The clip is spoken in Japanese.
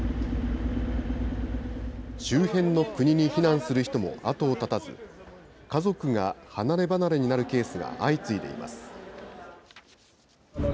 周辺の国に避難する人も後を絶たず、家族が離れ離れになるケースが相次いでいます。